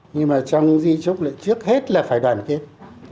nhưng mà trong di trúc lại trước hết là phải đoàn kết